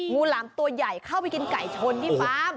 หลามตัวใหญ่เข้าไปกินไก่ชนที่ฟาร์ม